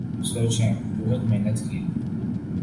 سوچیں بہت محنت کی